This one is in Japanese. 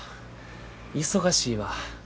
忙しいわ。